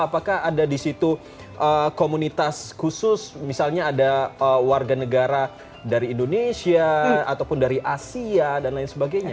apakah ada di situ komunitas khusus misalnya ada warga negara dari indonesia ataupun dari asia dan lain sebagainya